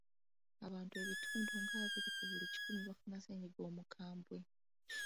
Abantu ebitundu nga abiri ku buli kikumi abafuna ssennyiga omukambwe.